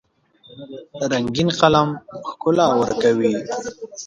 رنګین قلم ښکلا ورکوي.